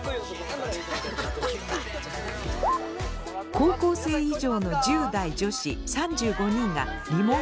高校生以上の１０代女子３５人がリモートで参加。